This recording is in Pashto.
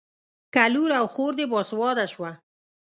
که لور او خور دې باسواده شوه.